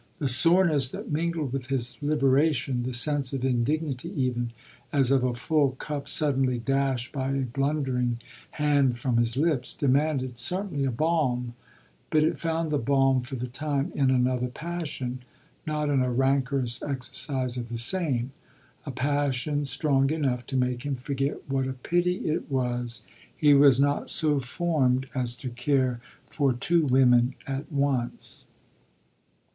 The soreness that mingled with his liberation, the sense of indignity even, as of a full cup suddenly dashed by a blundering hand from his lips, demanded certainly a balm; but it found the balm, for the time, in another passion, not in a rancorous exercise of the same a passion strong enough to make him forget what a pity it was he was not so formed as to care for two women at once.